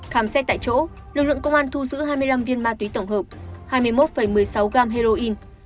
khám xét tại chỗ lực lượng công an thu giữ hai mươi năm viên ma túy tổng hợp hai mươi một một mươi sáu gram heroin